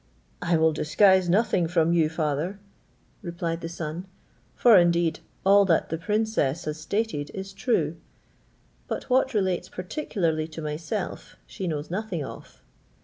"I will disguise nothing from you, father," replied the son, "for indeed all that the princess has stated is true; but what relates particularly to myself she knows nothing of.